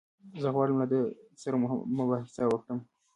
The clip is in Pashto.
زه غواړم له ده سره مباحثه وکړم.